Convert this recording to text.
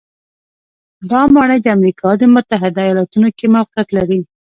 دا ماڼۍ د امریکا د متحدو ایالتونو کې موقعیت لري.